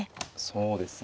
そうですね。